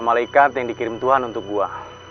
malaikat yang dikirim tuhan untuk gue